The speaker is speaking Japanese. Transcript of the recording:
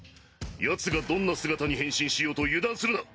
ヤツがどんな姿に変身しようと油断するな！